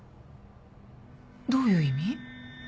どういう意味？